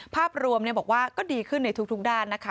ภาพรวมบอกว่าก็ดีขึ้นในทุกด้านนะคะ